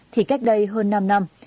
thì cách đây hơn năm năm